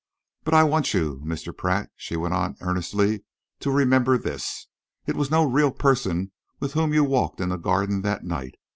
But I want you, Mr. Pratt," she went on earnestly, "to remember this. It was no real person with whom you walked in the garden that night.